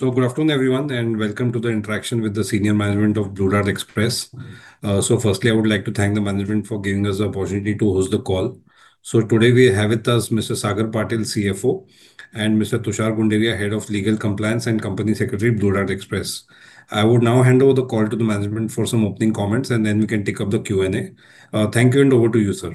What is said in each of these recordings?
Good afternoon everyone, and welcome to the interaction with the senior management of Blue Dart Express. Firstly, I would like to thank the management for giving us the opportunity to host the call. Today we have with us Mr. Sagar Patil, CFO, and Mr. Tushar Gunderia, Head of Legal Compliance and Company Secretary, Blue Dart Express. I would now hand over the call to the management for some opening comments, and then we can take up the Q&A. Thank you, and over to you, sir.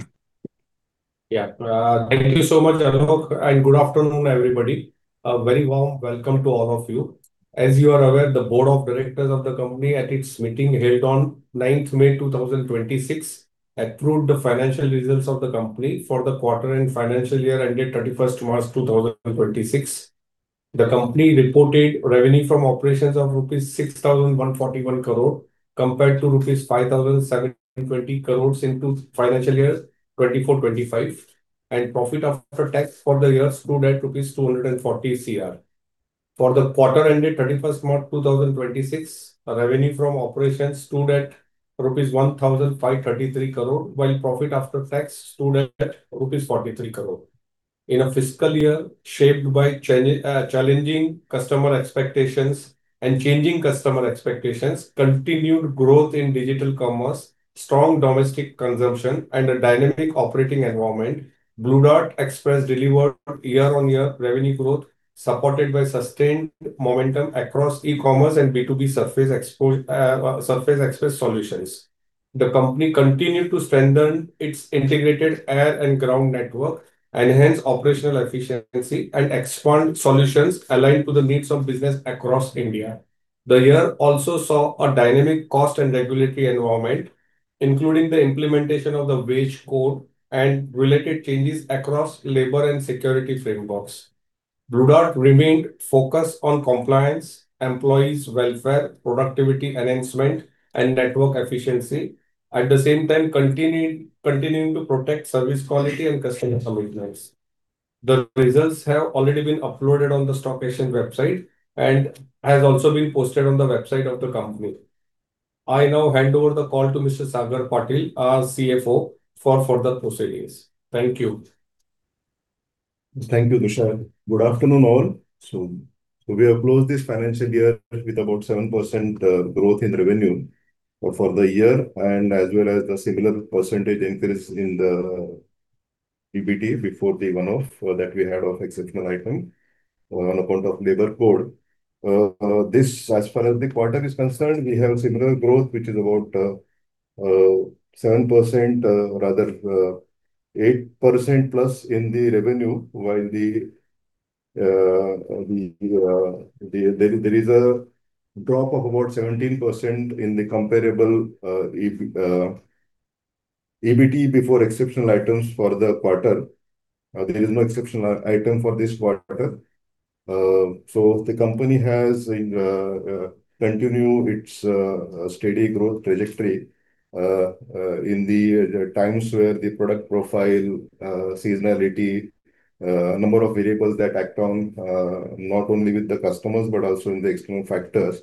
Thank you so much, Anuj, good afternoon, everybody. A very warm welcome to all of you. As you are aware, the board of directors of the company at its meeting held on 9th May 2026, approved the financial results of the company for the quarter and financial year ended 31st March 2026. The company reported revenue from operations of rupees 6,141 crore, compared to rupees 5,720 crore into financial years 2024, 2025, profit after tax for the year stood at rupees 240 crore. For the quarter ended 31st March 2026, revenue from operations stood at INR 1,533 crore, while profit after tax stood at INR 43 crore. In a fiscal year shaped by challenging customer expectations and changing customer expectations, continued growth in digital commerce, strong domestic consumption, and a dynamic operating environment, Blue Dart Express delivered year-on-year revenue growth, supported by sustained momentum across e-commerce and B2B Surface Express solutions. The company continued to strengthen its integrated air and ground network, enhance operational efficiency, and expand solutions aligned to the needs of business across India. The year also saw a dynamic cost and regulatory environment, including the implementation of the Wage Code and related changes across labor and security frameworks. Blue Dart remained focused on compliance, employees' welfare, productivity enhancement, and network efficiency, at the same time continuing to protect service quality and customer commitments. The results have already been uploaded on the Stock Exchange website and has also been posted on the website of the company. I now hand over the call to Mr. Sagar Patil, our CFO, for further proceedings. Thank you. Thank you, Tushar. Good afternoon, all. We have closed this financial year with about 7% growth in revenue for the year, and as well as the similar percentage increase in the PBT before the one-off that we had of exceptional item on account of labor code. This, as far as the quarter is concerned, we have similar growth, which is about 7%, rather, 8% plus in the revenue, while there is a drop of about 17% in the comparable, if EBT before exceptional items for the quarter. There is no exceptional item for this quarter. The company has continued its steady growth trajectory in the times where the product profile, seasonality, number of variables that act on not only with the customers, but also in the external factors.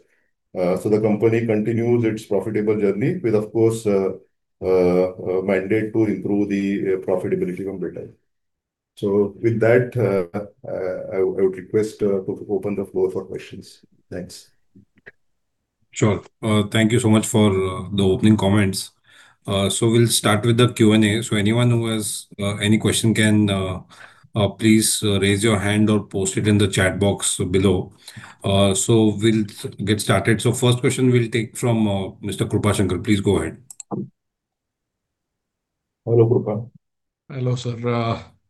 The company continues its profitable journey with, of course, a mandate to improve the profitability from Blue Dart. With that, I would request to open the floor for questions. Thanks. Sure. Thank you so much for the opening comments. We'll start with the Q&A. Anyone who has any question can please raise your hand or post it in the chat box below. We'll get started. First question we'll take from Mr. Krupa Shankar. Please go ahead. Hello, Krupa. Hello, sir.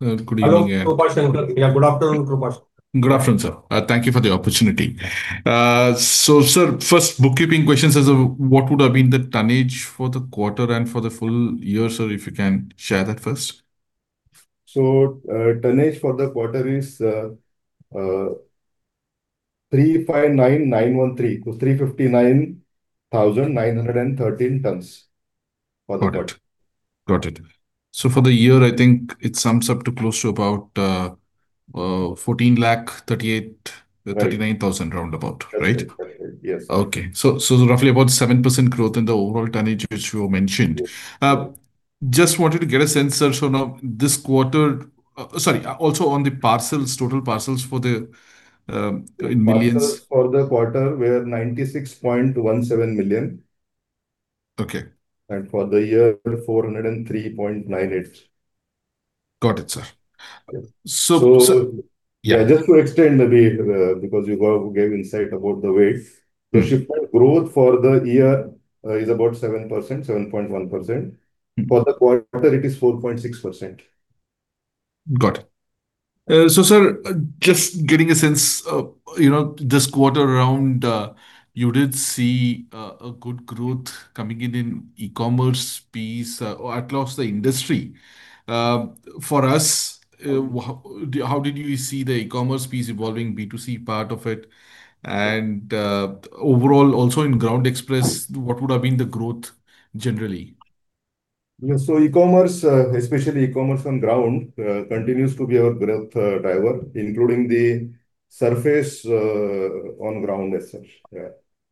good evening. Hello, Krupa. Yeah, good afternoon, Krupa. Good afternoon, sir. Thank you for the opportunity. Sir, first bookkeeping questions is, what would have been the tonnage for the quarter and for the full-year, sir? If you can share that first. Tonnage for the quarter is, 359,913. 359,913 tons for the quarter. Got it. For the year, I think it sums up to close to about, 14 lakh thirty-eight- Right 39,000 roundabout, right? Correct. Yes. Okay. Roughly about 7% growth in the overall tonnage, which you mentioned. Yes. just wanted to get a sense, sir. Sorry, also on the parcels, total parcels for the, in millions. Parcels for the quarter were 96.17 million. Okay. For the year, 403.98. Got it, sir. Yeah. So, so- So- Yeah. Just to extend a bit, because you gave insight about the weight. The shipment growth for the year, is about 7%, 7.1%. For the quarter, it is 4.6%. Got it. sir, just getting a sense, you know, this quarter around, you did see a good growth coming in in e-commerce piece across the industry. For us, how did you see the e-commerce piece evolving, B2C part of it? Overall also in ground express, what would have been the growth generally? E-commerce, especially e-commerce on ground, continues to be our growth driver, including the surface on ground as such.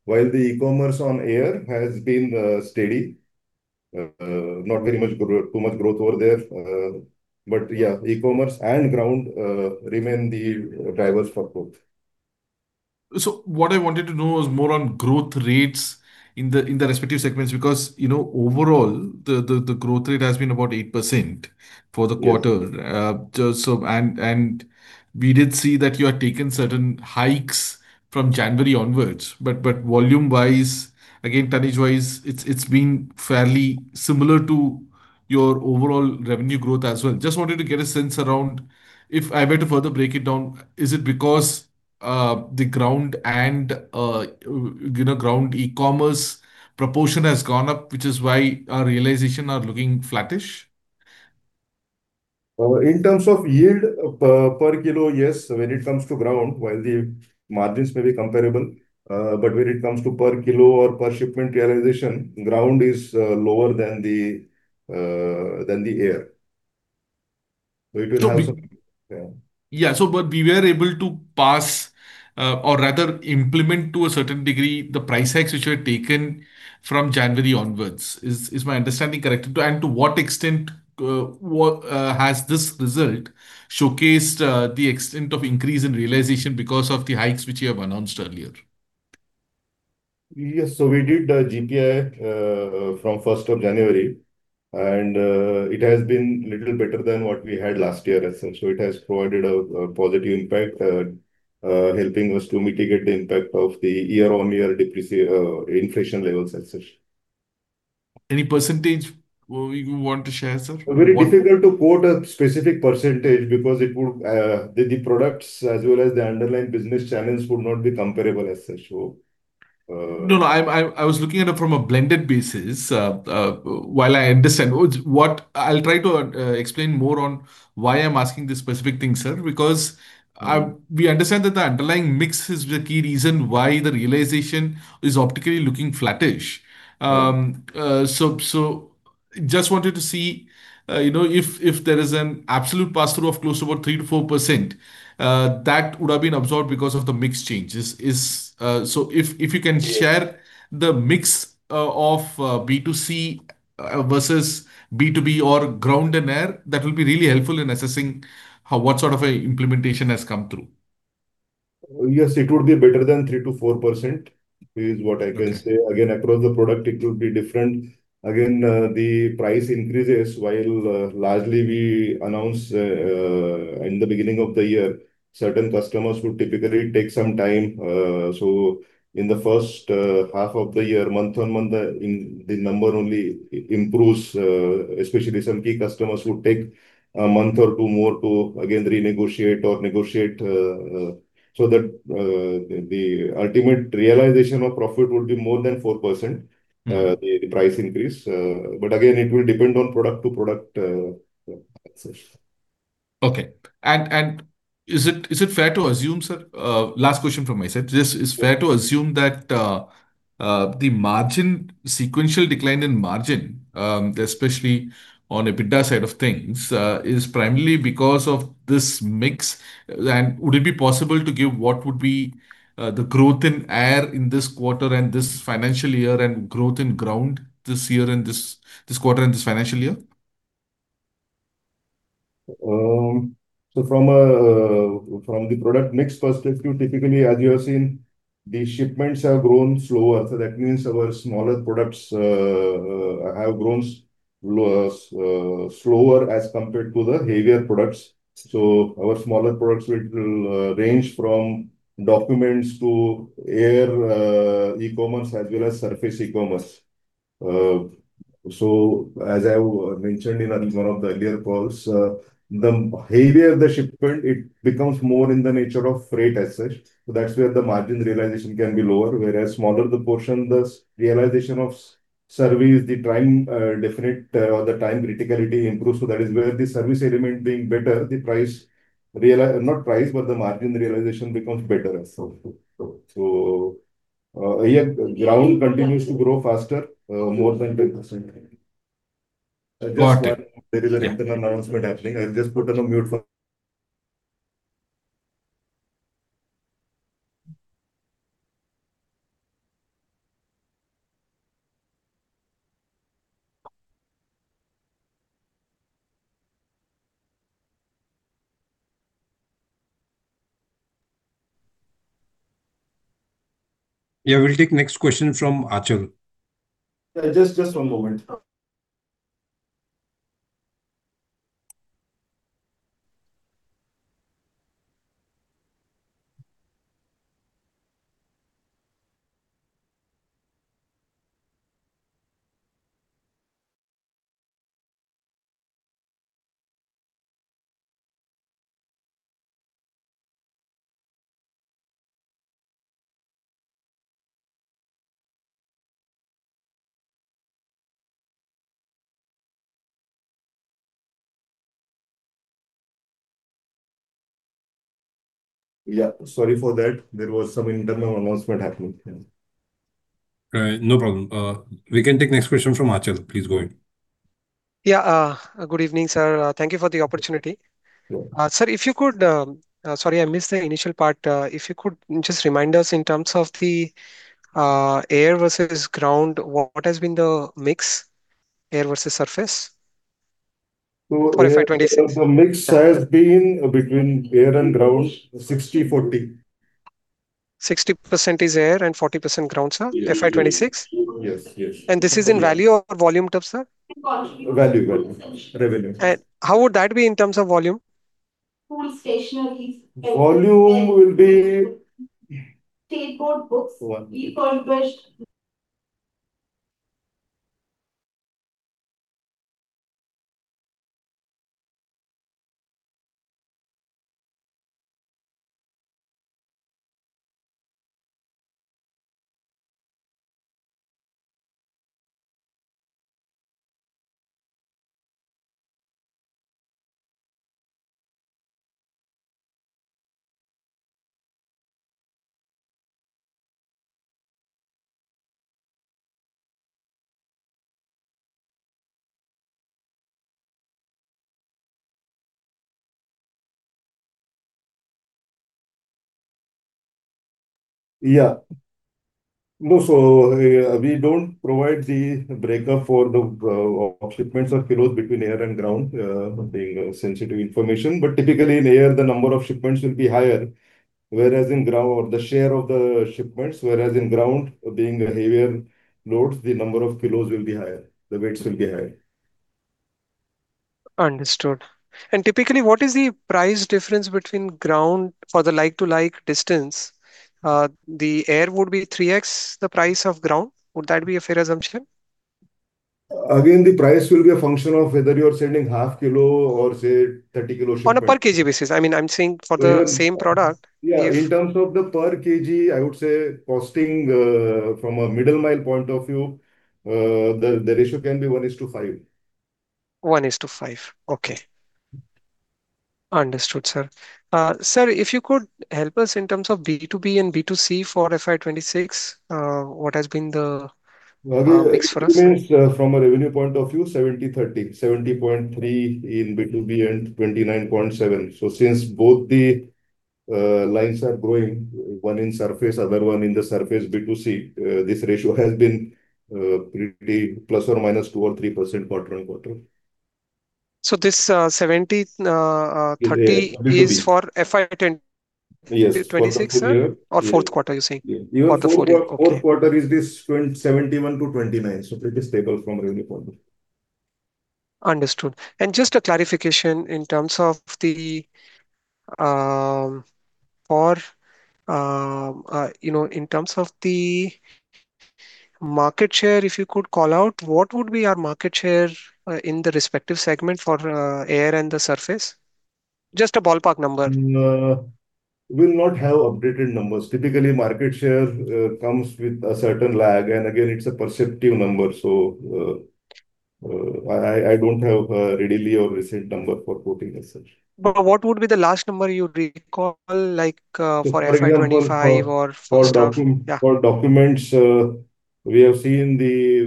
While the e-commerce on air has been steady. Not very much too much growth over there. E-commerce and ground remain the drivers for growth. What I wanted to know was more on growth rates in the respective segments, because, you know, overall, the growth rate has been about 8% for the quarter. Yes. We did see that you had taken certain hikes from January onwards, but volume-wise, again, tonnage-wise, it's been fairly similar to your overall revenue growth as well. Just wanted to get a sense around if I were to further break it down, is it because the ground and, you know, ground e-commerce proportion has gone up, which is why our realization are looking flattish? In terms of yield per kilo, yes. When it comes to ground, while the margins may be comparable, but when it comes to per kilo or per shipment realization, ground is lower than the air. So we Yeah. We were able to pass, or rather implement to a certain degree the price hikes which were taken from January onwards. Is my understanding correct? And to what extent, what has this result showcased the extent of increase in realization because of the hikes which you have announced earlier? Yes. We did the GPI, from 1st of January, and it has been little better than what we had last year as such. It has provided a positive impact, helping us to mitigate the impact of the year-on-year inflation levels as such. Any percentage we want to share, sir? Very difficult to quote a specific percentage because it would, the products as well as the underlying business channels would not be comparable as such. No, I was looking at it from a blended basis. While I understand, what I'll try to explain more on why I'm asking this specific thing, sir we understand that the underlying mix is the key reason why the realization is optically looking flattish. just wanted to see, you know, if there is an absolute pass-through of close to about 3%-4% that would have been absorbed because of the mix changes. If you can share the mix of B2C versus B2B or ground and air, that will be really helpful in assessing how, what sort of a implementation has come through. Yes, it would be better than 3-4% is what I can say. Across the product it will be different. The price increases, while largely we announce in the beginning of the year, certain customers would typically take some time. In the first half of the year, month-on-month, the number only improves, especially some key customers would take a month or two more to again renegotiate or negotiate. That the ultimate realization of profit would be more than 4% the price increase. Again, it will depend on product to product, as such. Okay. Is it fair to assume, sir, last question from my side. Is fair to assume that the margin, sequential decline in margin, especially on EBITDA side of things, is primarily because of this mix? Would it be possible to give what would be the growth in air in this quarter and this financial year and growth in ground this year and this quarter and this financial year? From a, from the product mix perspective, typically as you have seen, the shipments have grown slower. That means our smaller products have grown slower as compared to the heavier products. Our smaller products will range from documents to air e-commerce as well as surface e-commerce. As I mentioned in an, one of the earlier calls, the heavier the shipment, it becomes more in the nature of freight as such. That's where the margin realization can be lower. Whereas smaller the portion, the realization of service, the time definite or the time criticality improves. That is where the service element being better, the price realization, not price, but the margin realization becomes better as such. Yeah, ground continues to grow faster, more than- Got it. There is an internal announcement happening. I'll just put on a mute. Yeah, we'll take next question from Achal. Yeah, just one moment. Yeah, sorry for that. There was some internal announcement happening. All right. No problem. We can take next question from Achal. Please go ahead. Yeah, good evening, sir. Thank you for the opportunity. Yeah. Sir, sorry, I missed the initial part. If you could just remind us in terms of the air versus ground, what has been the mix, air versus Surface Express? So, air For FY 2026. the mix has been between air and ground, 60/40. 60% is air and 40% ground, sir? Yes. FY 2026? Yes, yes. This is in value or volume terms, sir? In volume. Value, value. Revenue. How would that be in terms of volume? [inaudible] Volume will be [inaudible] We don't provide the breakup for the shipments of kilos between air and ground, being sensitive information. Typically in air, the number of shipments will be higher, or the share of the shipments, whereas in ground, being heavier loads, the number of kilos will be higher. The weights will be higher. Understood. Typically, what is the price difference between ground for the like to like distance? The air would be 3x the price of ground. Would that be a fair assumption? The price will be a function of whether you're sending half kilo or say 30 kilos shipment. On a per kg basis. I mean, I'm saying for the same product. Yeah, in terms of the per kg, I would say costing, from a middle mile point of view, the ratio can be 1:5. One is to five. Okay. Understood, sir. Sir, if you could help us in terms of B2B and B2C for FY 2026? Again- mix for us? shipments, from a revenue point of view, 70/30. 70.3 in B2B and 29.7. Since both the lines are growing, one in surface, other one in the surface B2C, this ratio has been pretty ±2% or 3% quarter-on-quarter. So this, uh, seventy, uh, uh, 30 Is B2B? is for FY 2010 Yes. For the full-year 2026, sir? Fourth quarter, you're saying? Yeah. The full-year. Okay. Even fourth quarter is this 71% to 29%, so pretty stable from a revenue point of view. Understood. Just a clarification in terms of the, you know, in terms of the market share, if you could call out, what would be our market share in the respective segment for air and the surface? Just a ballpark number. We'll not have updated numbers. Typically, market share comes with a certain lag, and again, it's a perceptive number. I don't have readily a recent number for quoting as such. What would be the last number you'd recall, like, for FY 2025? For example, for documents. Yeah for documents, we have seen the,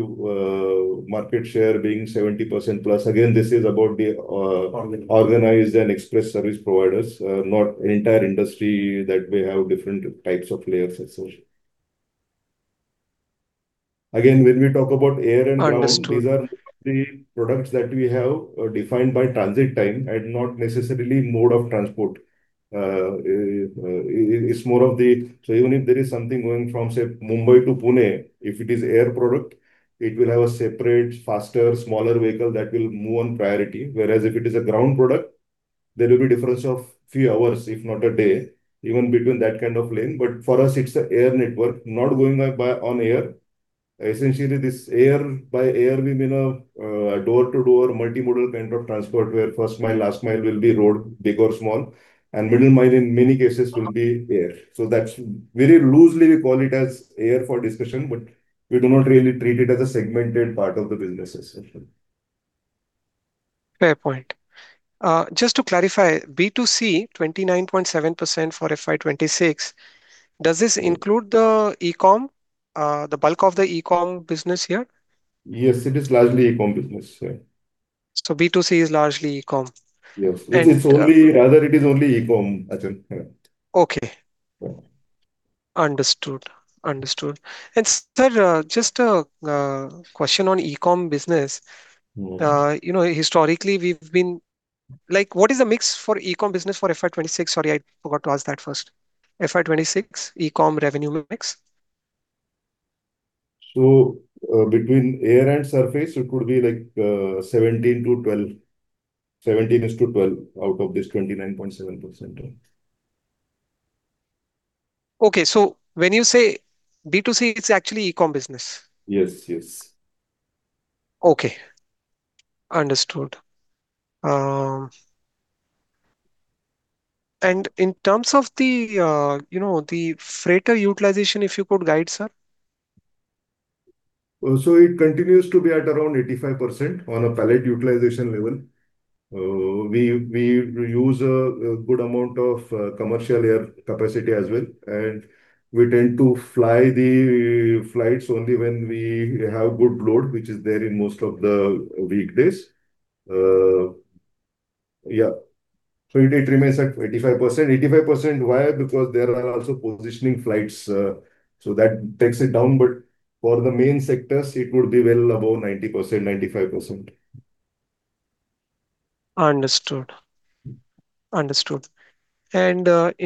market share being 70% plus. Again, this is about the. Organized organized and express service providers, not entire industry that may have different types of layers as such. Again, when we talk about air and ground. Understood These are the products that we have defined by transit time and not necessarily mode of transport. Even if there is something going from, say, Mumbai to Pune, if it is air product, it will have a separate, faster, smaller vehicle that will move on priority. Whereas if it is a ground product, there will be difference of few hours, if not a day, even between that kind of lane. For us it's a air network, not going by on air. Essentially, this air by air, we mean a door-to-door multimodal kind of transport, where first mile, last mile will be road, big or small, and middle mile in many cases will be air. That's very loosely we call it as air for discussion, but we do not really treat it as a segmented part of the business as such. Fair point. Just to clarify, B2C, 29.7% for FY 2026, does this include the eCom, the bulk of the eCom business here? Yes, it is largely eCom business. B2C is largely eCom? Yes. And- Rather it is only eCom, Achal. Yeah. Okay. Yeah. Understood. Understood. Sir, just a question on eCom business. you know, historically we've been what is the mix for eCom business for FY 2026? Sorry, I forgot to ask that first. FY 2026 eCom revenue mix. between air and surface, it could be like, 17 to 12. 17 is to 12 out of this 29.7%. Okay. When you say B2C, it's actually eCom business? Yes. Yes. Okay. Understood. In terms of the, you know, the freighter utilization, if you could guide, sir. It continues to be at around 85% on a pallet utilization level. We use a good amount of commercial air capacity as well, and we tend to fly the flights only when we have good load, which is there in most of the weekdays. It remains at 85%. 85% why? Because there are also positioning flights, that takes it down. For the main sectors, it would be well above 90%, 95%. Understood. Understood. In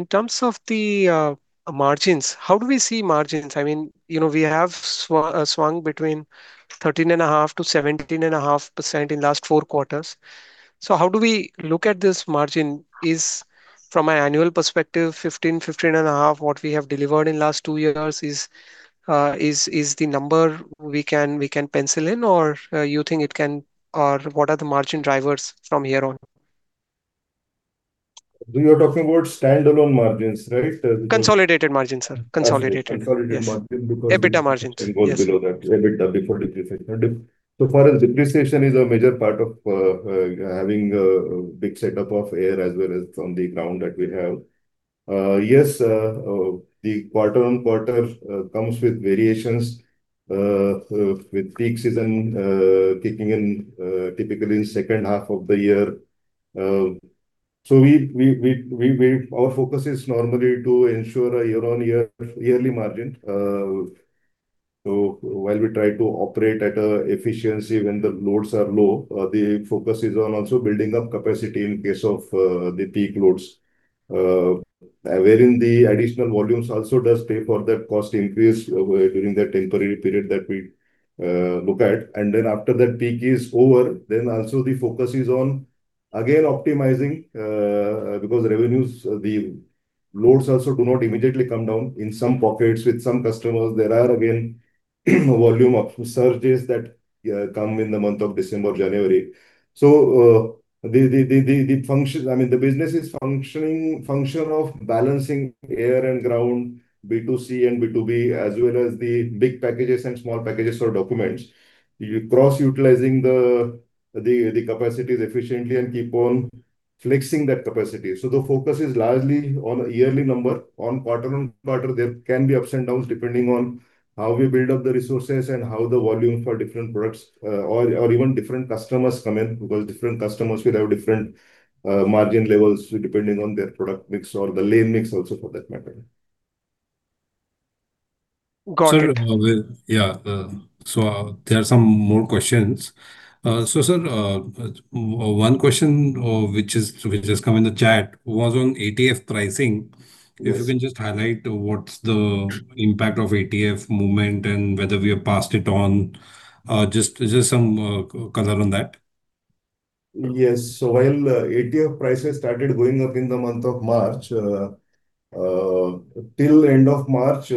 terms of the margins, how do we see margins? I mean, you know, we have swung between thirteen and a half to seventeen and a half % in last 4 quarters. How do we look at this margin? Is from an annual perspective, 15, fifteen and a half what we have delivered in last 2 years is the number we can pencil in? You think it can Or what are the margin drivers from here on? You're talking about standalone margins, right? Consolidated margins, sir. Consolidated. Consolidated margin because- EBITDA margins. Yes can go below that. EBITDA before depreciation. So far as depreciation is a major part of having a big setup of air as well as on the ground that we have. Yes, the quarter-on-quarter comes with variations with peak season kicking in typically in second half of the year. Our focus is normally to ensure a year-on-year yearly margin. While we try to operate at efficiency when the loads are low, the focus is on also building up capacity in case of the peak loads. Wherein the additional volumes also does pay for that cost increase during that temporary period that we look at. After that peak is over, also the focus is on, again, optimizing, because revenues, the loads also do not immediately come down. In some pockets with some customers there are again volume surges that come in the month of December, January. The function I mean, the business is functioning of balancing air and ground, B2C and B2B, as well as the big packages and small packages for documents, cross utilizing the capacities efficiently and keep on flexing that capacity. The focus is largely on a yearly number. On quarter-on-quarter, there can be ups and downs depending on how we build up the resources and how the volume for different products, or even different customers come in, because different customers will have different margin levels depending on their product mix or the lane mix also for that matter. Got it. Sir, well, yeah. There are some more questions. Sir, one question which has come in the chat was on ATF pricing. Yes. If you can just highlight what's the impact of ATF movement and whether we have passed it on. Just some color on that. Yes. While ATF prices started going up in the month of March, till end of March,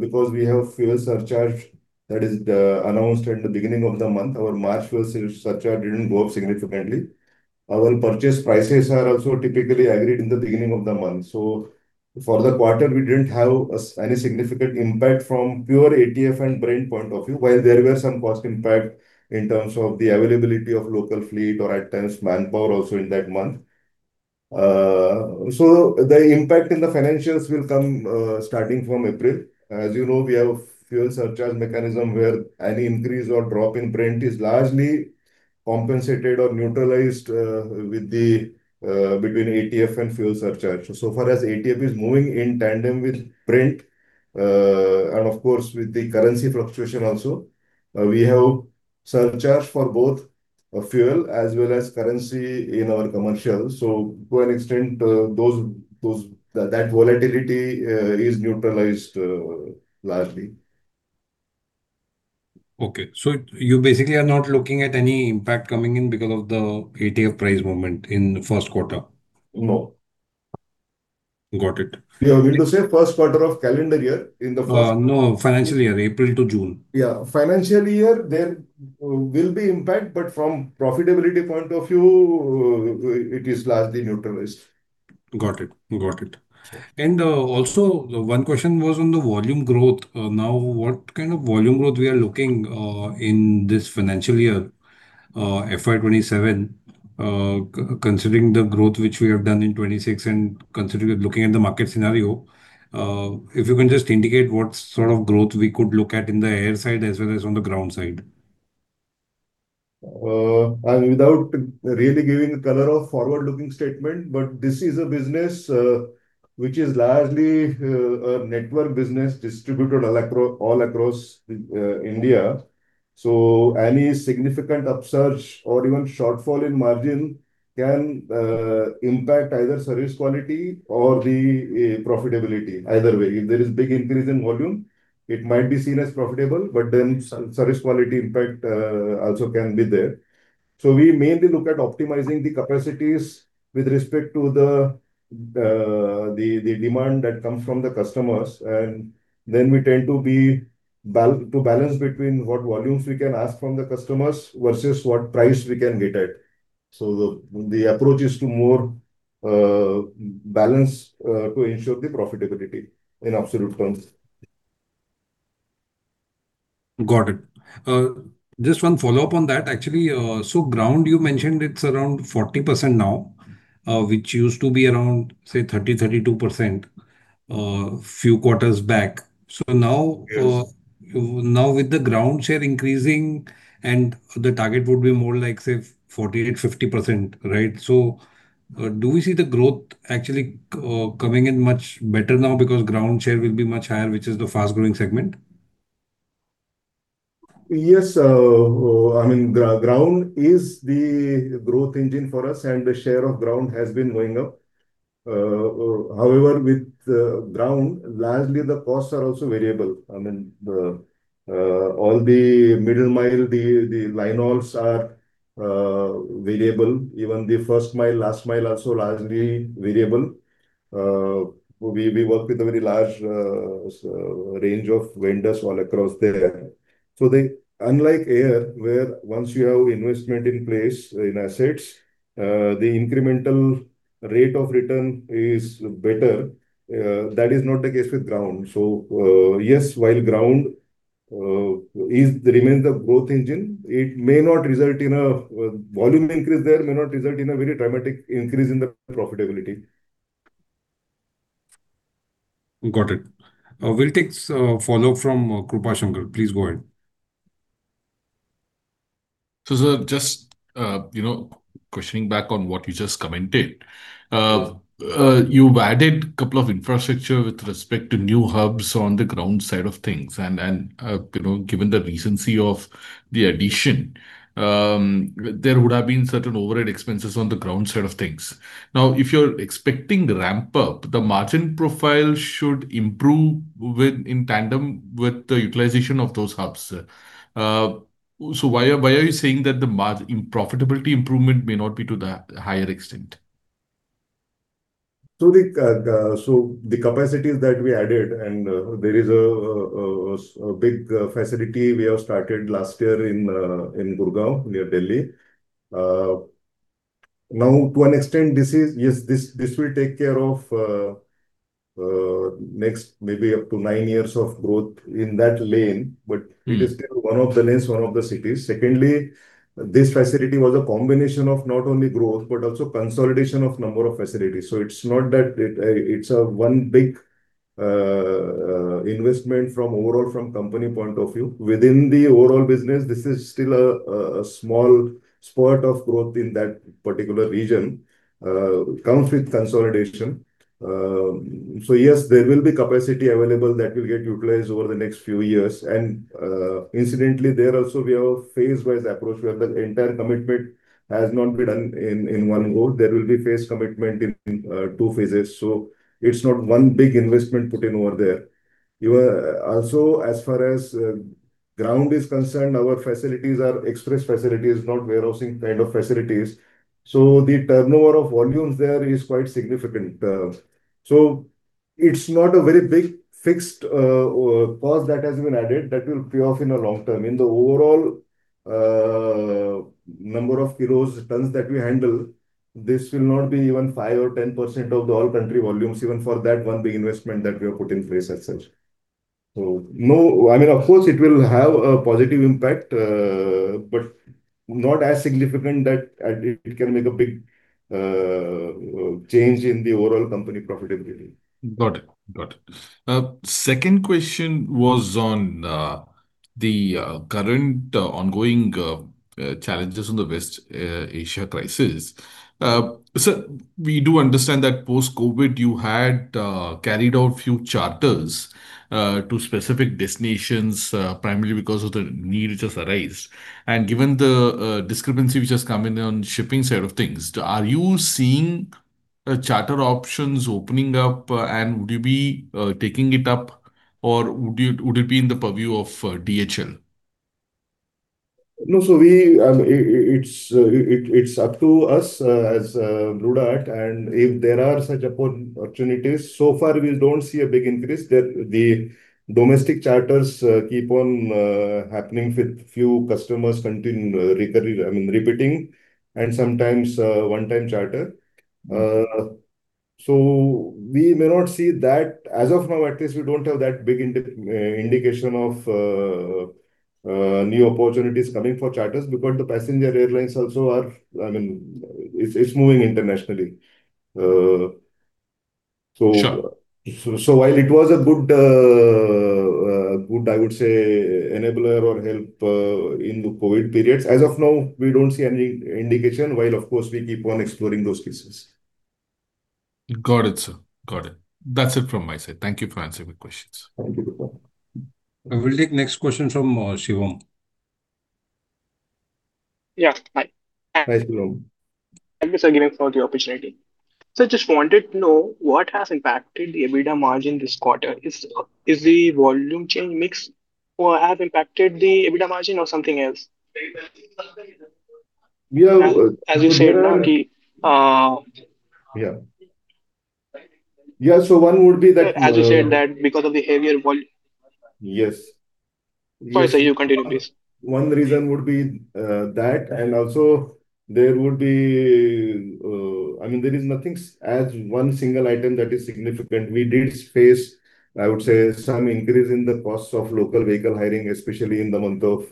because we have fuel surcharge that is announced at the beginning of the month. Our March fuel surcharge didn't go up significantly. Our purchase prices are also typically agreed in the beginning of the month. For the quarter, we didn't have any significant impact from pure ATF and Brent point of view. While there were some cost impact in terms of the availability of local fleet or at times manpower also in that month. The impact in the financials will come starting from April. As you know, we have a fuel surcharge mechanism where any increase or drop in Brent is largely compensated or neutralized with the between ATF and fuel surcharge. So far as ATF is moving in tandem with Brent, and of course with the currency fluctuation also. We have surcharge for both fuel as well as currency in our commercials. To an extent, that volatility is neutralized largely. Okay. You basically are not looking at any impact coming in because of the ATF price movement in first quarter? No. Got it. Yeah. We do say first quarter of calendar year in the first- No. Financial year, April to June. Yeah. Financial year there will be impact, but from profitability point of view, it is largely neutralized. Got it. Got it. Also one question was on the volume growth. Now what kind of volume growth we are looking in this financial year, FY 2027? Considering the growth which we have done in 2026 and considering looking at the market scenario. If you can just indicate what sort of growth we could look at in the air side as well as on the ground side. I mean, without really giving a color of forward-looking statement, this is a business which is largely a network business distributed all across India. Any significant upsurge or even shortfall in margin can impact either service quality or the profitability either way. If there is big increase in volume, it might be seen as profitable, but then service quality impact also can be there. We mainly look at optimizing the capacities with respect to the demand that comes from the customers, and then we tend to balance between what volumes we can ask from the customers versus what price we can get at. The approach is to more balance to ensure the profitability in absolute terms. Got it. Just one follow-up on that actually. Ground you mentioned it's around 40% now, which used to be around, say, 30%-32%, few quarters back. Yes. With the ground share increasing and the target would be more like, say, 48%, 50%, right? Do we see the growth actually coming in much better now because ground share will be much higher, which is the fast-growing segment? Yes. I mean, ground is the growth engine for us, and the share of ground has been going up. With the ground, largely the costs are also variable. I mean, the all the middle mile, the the line hauls are variable. Even the first mile, last mile are so largely variable. We, we work with a very large range of vendors all across there. They Unlike air, where once you have investment in place in assets, the incremental rate of return is better. That is not the case with ground. Yes, while ground is Remain the growth engine, it may not result in a volume increase there, may not result in a very dramatic increase in the profitability. Got it. We'll take follow-up from Krupa Shankar. Please go ahead. Sir, just, you know, questioning back on what you just commented. You've added couple of infrastructure with respect to new hubs on the ground side of things. You know, given the recency of the addition, there would have been certain overhead expenses on the ground side of things. Now, if you're expecting ramp up, the margin profile should improve with, in tandem with the utilization of those hubs. Why are you saying that the profitability improvement may not be to the higher extent? The capacities that we added, and there is a big facility we have started last year in Gurgaon, near Delhi. To an extent this is Yes, this will take care of next maybe up to nine years of growth in that lane. It is still one of the lanes, one of the cities. Secondly, this facility was a combination of not only growth, but also consolidation of number of facilities. It's not that it's one big investment from overall from company point of view. Within the overall business, this is still a small spot of growth in that particular region, comes with consolidation. Yes, there will be capacity available that will get utilized over the next few years. Incidentally, there also we have a phase-wise approach. We have the entire commitment has not been done in one go. There will be phase commitment in two phases. It's not one big investment put in over there. You are also, as far as ground is concerned, our facilities are express facilities, not warehousing kind of facilities. The turnover of volumes there is quite significant. It's not a very big fixed cost that has been added that will pay off in the long term. In the overall number of kilos, tons that we handle, this will not be even 5% or 10% of the all country volumes, even for that one big investment that we have put in place as such. No, I mean, of course, it will have a positive impact, but not as significant that it can make a big change in the overall company profitability. Got it. Got it. Second question was on the current ongoing challenges on the West Asia crisis. We do understand that post-COVID, you had carried out few charters to specific destinations, primarily because of the need which has arised. Given the discrepancy which has come in on shipping side of things, are you seeing charter options opening up, and would you be taking it up, or would it be in the purview of DHL? No. It's up to us as Blue Dart, and if there are such opportunities. So far we don't see a big increase. The domestic charters keep on happening with few customers continue, I mean, repeating, and sometimes one-time charter. We may not see that. As of now, at least we don't have that big indication of new opportunities coming for charters because the passenger airlines also are I mean, it's moving internationally. Sure. While it was a good, I would say, enabler or help, in the COVID periods, as of now, we don't see any indication, while of course we keep on exploring those pieces. Got it, sir. Got it. That's it from my side. Thank you for answering the questions. Thank you. I will take next question from Shivam. Yeah. Hi. Hi, Shivam. Thank you, sir, again for the opportunity. Just wanted to know what has impacted the EBITDA margin this quarter. Is the volume change mix or have impacted the EBITDA margin or something else? Yeah. As you said. Yeah. One would be that. As you said that because of the heavier vol. Yes. Sorry, sir. You continue, please. One reason would be that, I mean, there is nothing as one single item that is significant. We did face, I would say, some increase in the cost of local vehicle hiring, especially in the month of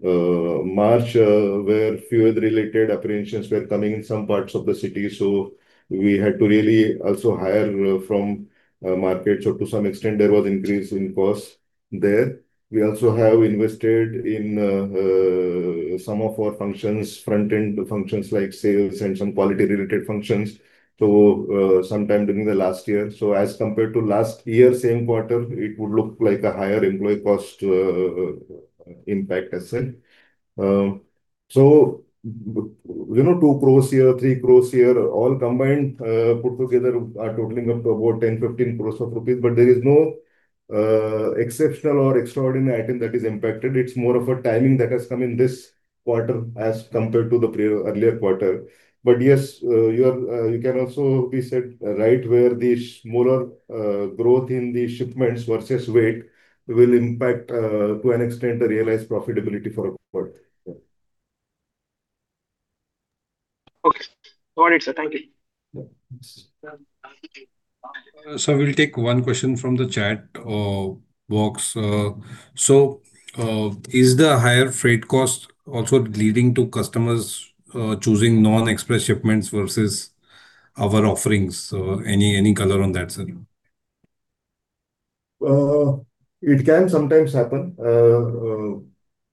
March, where fuel related apprehensions were coming in some parts of the city. We had to really also hire from market. To some extent there was increase in cost there. We also have invested in some of our functions, front-end functions like sales and some quality related functions sometime during the last year. As compared to last year same quarter, it would look like a higher employee cost impact as such. You know, 2 crores here, 3 crores here, all combined, put together are totaling up to about 10-15 crores of rupees. There is no exceptional or extraordinary item that is impacted. It's more of a timing that has come in this quarter as compared to the pre- earlier quarter. Yes, you have, you can also be said, right, where the smaller growth in the shipments versus weight will impact to an extent the realized profitability for a quarter. Yeah. Okay. Got it, sir. Thank you. Yeah. Thanks. Sir, we'll take one question from the chat box. Is the higher freight cost also leading to customers choosing non-express shipments versus our offerings? Any color on that, sir? It can sometimes happen.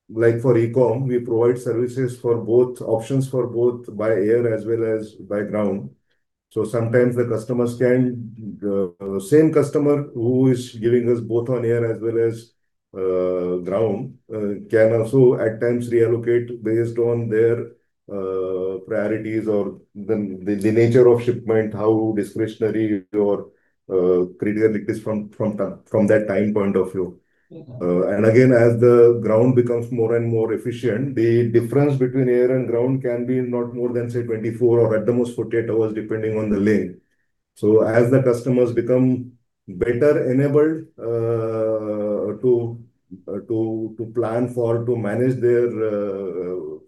Like for e-com, we provide services for both options for both by air as well as by ground. Sometimes the customers can, same customer who is giving us both on air as well as ground, can also at times reallocate based on their priorities or the nature of shipment, how discretionary or critical it is from that time point of view. Again, as the ground becomes more and more efficient, the difference between air and ground can be not more than, say, 24 or at the most 48 hours, depending on the lane. As the customers become better enabled to plan for, to manage their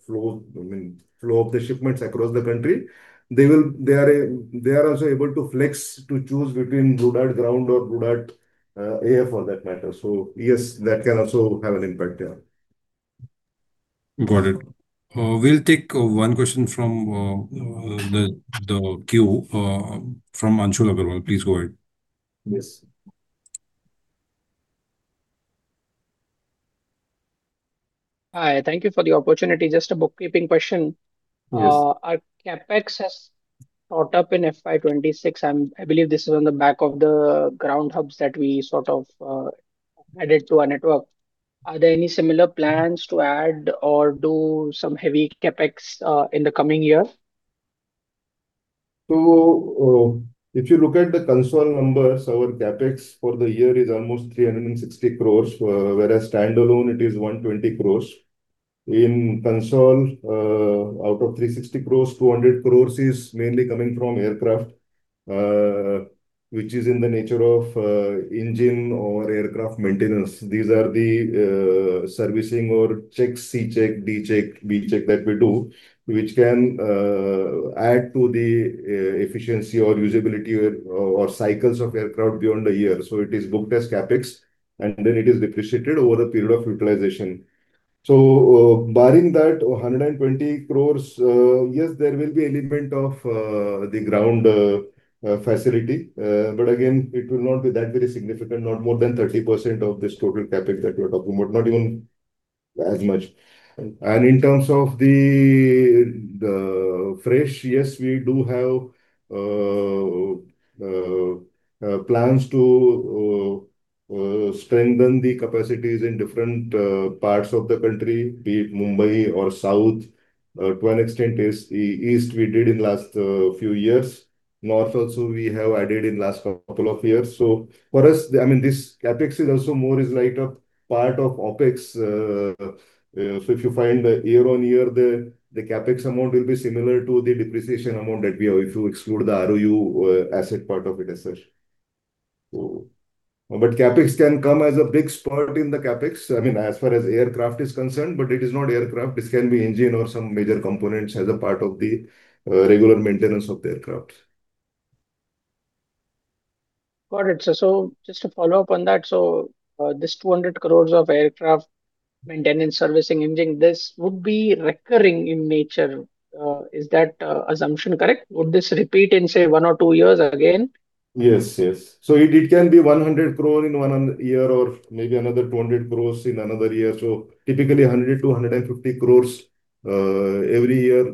flow, I mean, flow of the shipments across the country, they are also able to flex to choose between Blue Dart ground or Blue Dart air for that matter. Yes, that can also have an impact, yeah. Got it. We'll take one question from the queue from Anshul Agarwal. Please go ahead. Yes. Hi. Thank you for the opportunity. Just a bookkeeping question. Yes. Our CapEx has shot up in FY 2026. I believe this is on the back of the ground hubs that we sort of added to our network. Are there any similar plans to add or do some heavy CapEx in the coming year? If you look at the console numbers, our CapEx for the year is almost 360 crores, whereas standalone it is 120 crores. In console, out of 360 crores, 200 crores is mainly coming from aircraft, which is in the nature of engine or aircraft maintenance. These are the servicing or checks, C check, D check, B check that we do, which can add to the efficiency or usability or cycles of aircraft beyond a year. It is booked as CapEx, and then it is depreciated over the period of utilization. Barring that, 120 crores, yes, there will be element of the ground facility. Again, it will not be that very significant, not more than 30% of this total CapEx that we are talking about, not even as much. In terms of the fresh, yes, we do have plans to strengthen the capacities in different parts of the country, be it Mumbai or South. To an extent East we did in last few years. North also we have added in last couple of years. For us, I mean, this CapEx is also more is like a part of OpEx. If you find year-on-year, the CapEx amount will be similar to the depreciation amount that we have, if you exclude the ROU asset part of it as such. CapEx can come as a big spurt in the CapEx, I mean, as far as aircraft is concerned, but it is not aircraft. This can be engine or some major components as a part of the regular maintenance of the aircraft. Got it, sir. Just to follow up on that, this 200 crore of aircraft maintenance, servicing, engine, this would be recurring in nature. Is that assumption correct? Would this repeat in, say, one or two years again? Yes. Yes. It can be 100 crores in one year or maybe another 200 crores in another year. Typically 100-150 crores every year.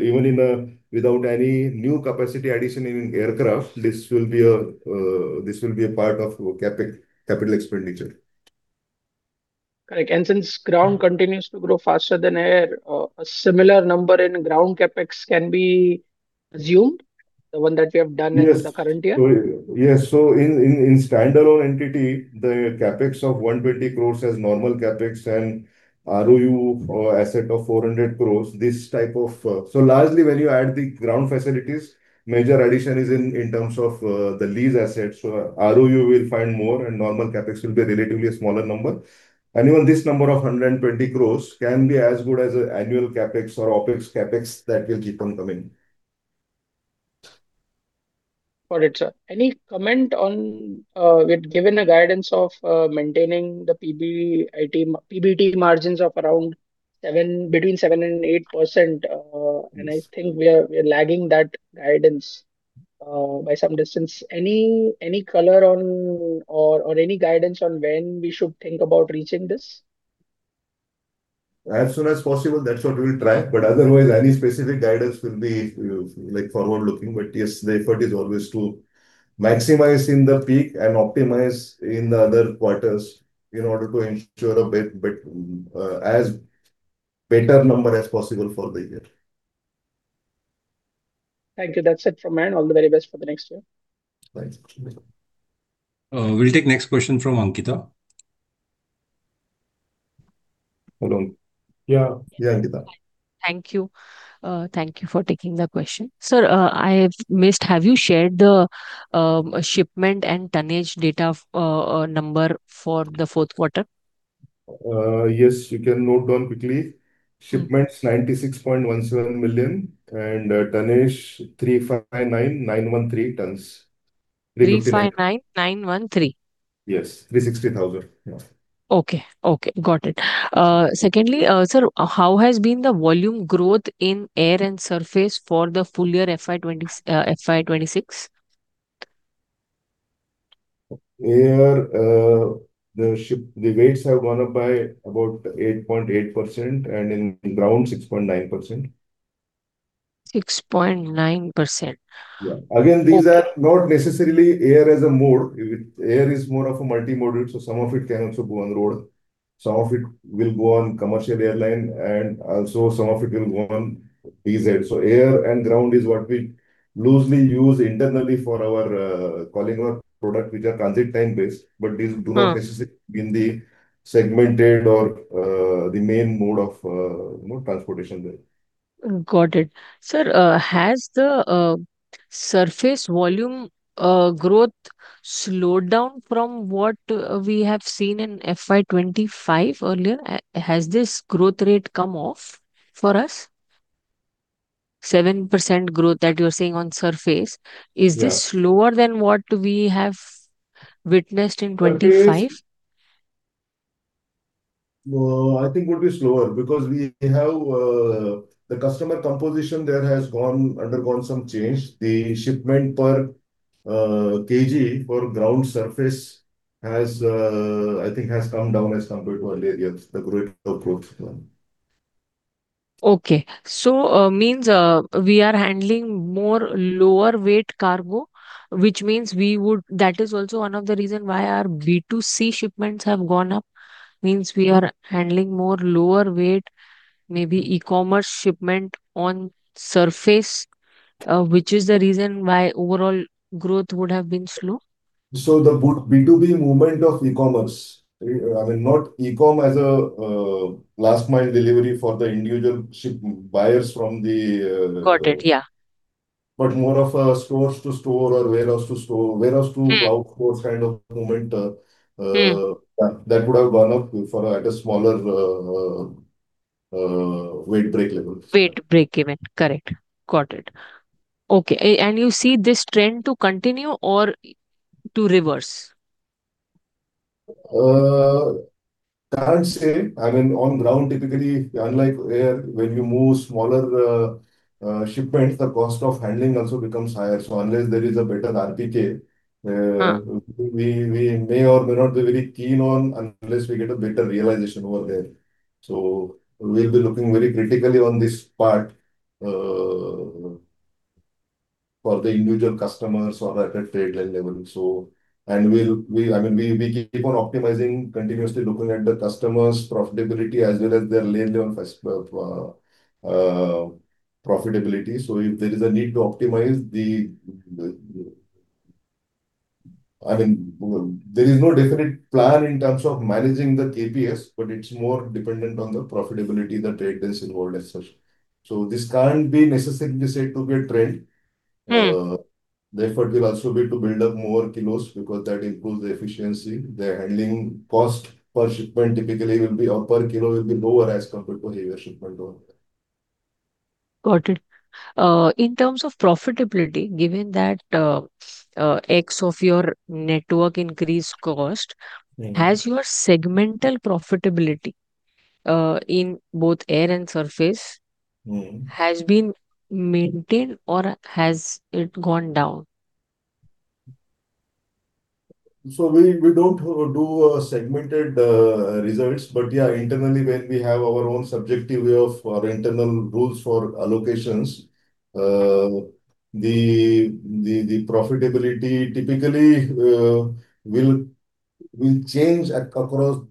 Even without any new capacity addition in aircraft, this will be a part of CapEx, capital expenditure. Correct. Since ground continues to grow faster than air, a similar number in ground CapEx can be assumed? Yes in the current year? Yes. In standalone entity, the CapEx of 120 crores as normal CapEx and ROU asset of 400 crores. Largely when you add the ground facilities, major addition is in terms of the lease assets. ROU will find more and normal CapEx will be relatively a smaller number. Even this number of 120 crores can be as good as annual CapEx or OpEx CapEx that will keep on coming. Got it, sir. Any comment on with given a guidance of maintaining the PBIT-PBT margins of around 7 between 7 and 8%. Yes I think we are lagging that guidance by some distance. Any color on or any guidance on when we should think about reaching this? As soon as possible, that's what we will try. Otherwise, any specific guidance will be, like, forward-looking. Yes, the effort is always to maximize in the peak and optimize in the other quarters in order to ensure a bit as better number as possible for the year. Thank you. That's it from me. All the very best for the next year. Thanks. We'll take next question from Ankita. Hold on. Yeah. Yeah, Ankita. Thank you. Thank you for taking the question. Sir, I have missed, have you shared the shipment and tonnage data number for the fourth quarter? Yes. You can note down quickly. Shipments, 96.17 million, and tonnage, 359,913 tons. 359913. Yes. 360,000. Yeah. Okay. Okay. Got it. Secondly, sir, how has been the volume growth in air and surface for the full-year FY 2020, FY 2026? Air, The weights have gone up by about 8.8%, and in ground, 6.9%. 6.9%. Yeah. Again, these are not necessarily air as a mode. With air is more of a multimodal, so some of it can also go on road, some of it will go on commercial airline, and also some of it will go on PAX. Air and ground is what we loosely use internally for our calling our product, which are transit time based, but these do not. necessarily mean the segmented or, the main mode of, you know, transportation there. Got it. Sir, has the surface volume growth slowed down from what we have seen in FY 2025 earlier? Has this growth rate come off for us? 7% growth that you're saying on surface Yeah is this slower than what we have witnessed in 2025? I think it would be slower because we have the customer composition there has undergone some change. The shipment per kg for ground surface has, I think has come down as compared to earlier years, the rate of growth. Okay. we are handling more lower weight cargo, which means That is also one of the reasons why our B2C shipments have gone up, means we are handling more lower weight, maybe e-commerce shipment on surface, which is the reason why overall growth would have been slow. The B2B movement of e-commerce, I mean, not e-com as a last mile delivery for the individual buyers from the. Got it. Yeah. More of a stores to store or warehouse to store. cloud store kind of movement. that would have gone up for, at a smaller, weight break level. Weight break event. Correct. Got it. Okay. You see this trend to continue or to reverse? Can't say. I mean, on ground, typically, unlike air, when you move smaller shipments, the cost of handling also becomes higher. Unless there is a better RPK. we may or may not be very keen on unless we get a better realization over there. We'll be looking very critically on this part for the individual customers or at a trade lane level. We'll I mean, we keep on optimizing, continuously looking at the customers' profitability as well as their lane level profitability. If there is a need to optimize the I mean, there is no definite plan in terms of managing the KPS, but it's more dependent on the profitability the trade has involved as such. This can't be necessarily said to be a trend. The effort will also be to build up more kilos because that improves the efficiency. The handling cost per shipment typically will be, or per kilo, will be lower as compared to heavier shipment load. Got it. In terms of profitability, given that, X of your network increase cost has your segmental profitability, in both air and Surface has been maintained or has it gone down? We don't do a segmented results. Yeah, internally, when we have our own subjective way of our internal rules for allocations, the profitability typically will change across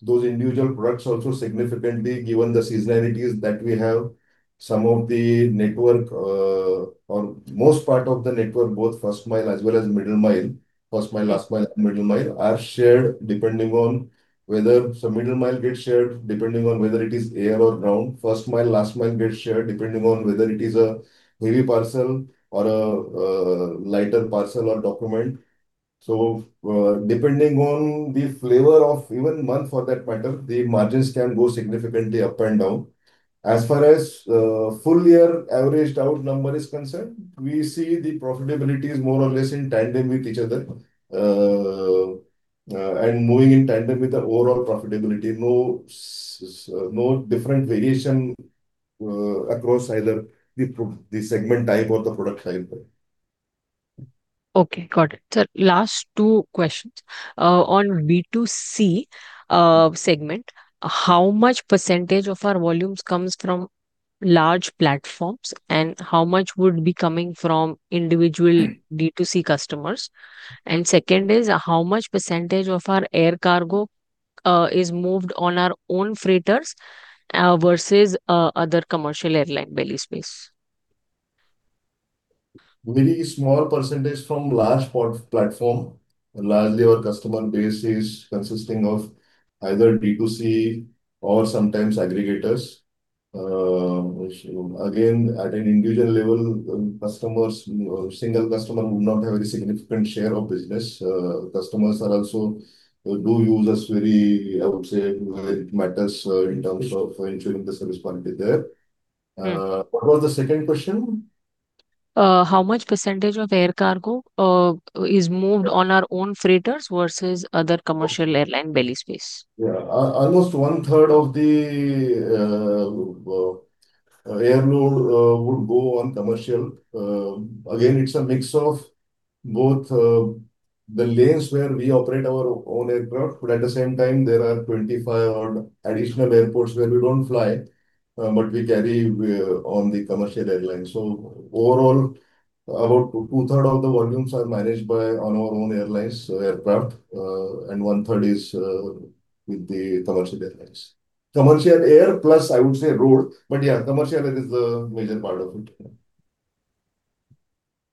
those individual products also significantly, given the seasonalities that we have. Some of the network or most part of the network, both first mile as well as middle mile, first mile, last mile, middle mile, are shared depending on whether middle mile gets shared depending on whether it is air or ground. First mile, last mile gets shared depending on whether it is a heavy parcel or a lighter parcel or document. Depending on the flavor of even month for that matter, the margins can go significantly up and down. As far as full-year averaged out number is concerned, we see the profitability is more or less in tandem with each other. Moving in tandem with the overall profitability. No different variation across either the segment type or the product type. Okay. Got it. Sir, last two questions. on B2C segment, how much % of our volumes comes from large platforms, and how much would be coming from individual B2C customers? Second is, how much % of our air cargo is moved on our own freighters versus other commercial airline belly space? Very small percentage from large platform. Largely our customer base is consisting of either B2C or sometimes aggregators. Which, again, at an individual level, customers, single customer would not have a significant share of business. Customers are also, do use us very, I would say, where it matters, in terms of ensuring the service quality there. What was the second question? How much % of air cargo is moved on our own freighters versus other commercial airline belly space? Yeah. Almost one-third of the air load would go on commercial. Again, it's a mix of both the lanes where we operate our own aircraft, but at the same time there are 25 odd additional airports where we don't fly, but we carry on the commercial airline. Overall, about two-third of the volumes are managed by on our own airlines aircraft, and one-third is with the commercial airlines. Commercial air plus I would say road, yeah, commercial air is a major part of it.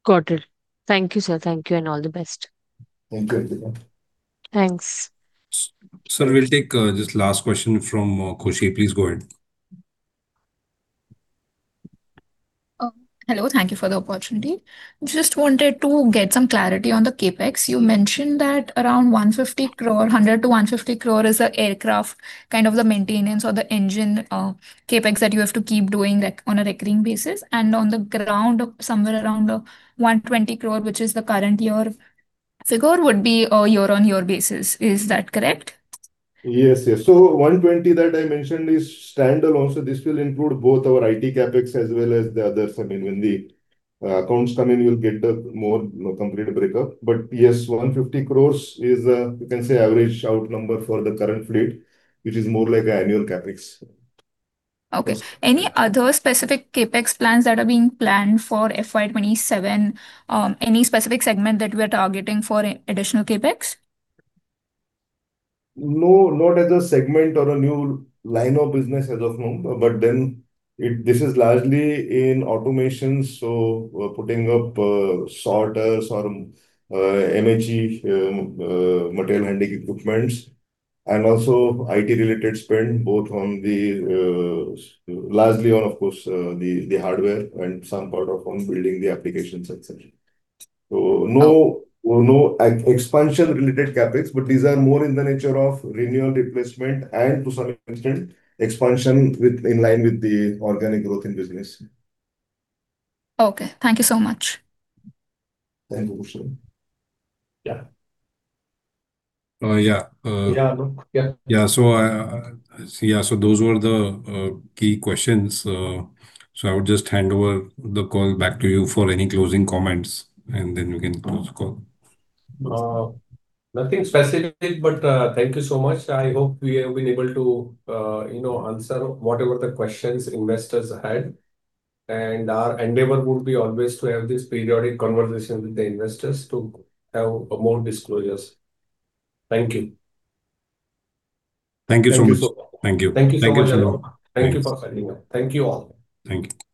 Got it. Thank you, sir. Thank you, and all the best. Thank you. Thanks. Sir, we'll take this last question from Koshi. Please go ahead. Hello. Thank you for the opportunity. Just wanted to get some clarity on the CapEx. You mentioned that around 150 crore, 100-150 crore is a aircraft kind of the maintenance or the engine CapEx that you have to keep doing, like, on a recurring basis, and on the ground somewhere around 120 crore, which is the current year figure would be year-on-year basis. Is that correct? Yes, yes. 120 that I mentioned is standalone. This will include both our IT CapEx as well as the others. I mean, when the accounts come in, you'll get a more, you know, complete breakup. Yes, 150 crores is, you can say average out number for the current fleet, which is more like annual CapEx. Okay. Any other specific CapEx plans that are being planned for FY 2027? Any specific segment that we are targeting for additional CapEx? No, not as a segment or a new line of business as of now. This is largely in automation, we're putting up sorters or MHE, material handling equipments, and also IT related spend both from the largely all of course, the hardware and some part of on building the applications et cetera. no expansion related CapEx, but these are more in the nature of renewal, replacement, and to some extent expansion with, in line with the organic growth in business. Okay. Thank you so much. Thank you. Yeah. Yeah. Yeah. Yeah. Yeah. Those were the key questions. I would just hand over the call back to you for any closing comments, and then we can close the call. Nothing specific, but thank you so much. I hope we have been able to, you know, answer whatever the questions investors had. Our endeavor would be always to have this periodic conversation with the investors to have more disclosures. Thank you. Thank you so much. Thank you so much. Thank you. Thank you so much. Thank you so much, Anirudh. Thank you for coming. Thank you all. Thank you.